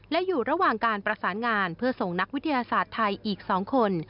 และอยู่ระหว่างการประสานงานเพื่อส่งนักวิทยาศาสตร์ไทยอีก๒คน